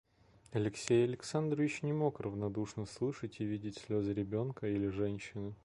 Алексей Александрович не мог равнодушно слышать и видеть слезы ребенка или женщины.